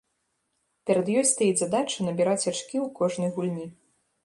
Перад ёй стаіць задача набіраць ачкі ў кожнай гульні.